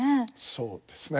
そうですね。